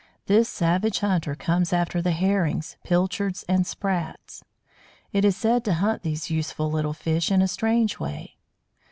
This savage hunter comes after the Herrings, Pilchards and Sprats. It is said to hunt these useful little fish in a strange way.